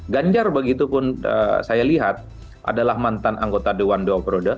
ganjar begitu pun saya lihat adalah mantan anggota dewan dua periode